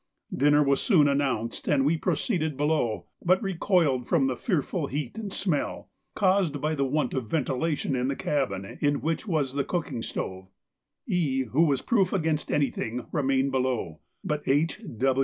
Dinner was soon announced and we proceeded below, but recoiled from the fearful heat and smell, caused by the want of ventilation in the cabin in which was the cooking stove. E., who was proof against anything, remained below, but H.